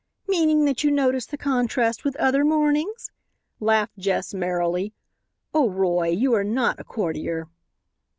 "Meaning that you notice the contrast with other mornings," laughed Jess merrily; "oh, Roy, you are not a courtier."